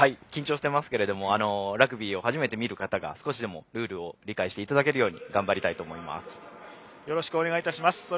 緊張してますけれどもラグビーを初めて見る方が少しでもルールを理解していただけるようによろしくお願いいたします。